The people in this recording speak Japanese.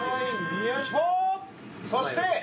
そして！